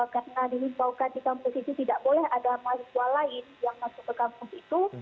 karena dihimpaukan di kampung itu tidak boleh ada mahasiswa lain yang masuk ke kampung itu